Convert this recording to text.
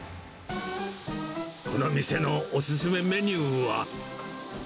この店のお勧めメニューは。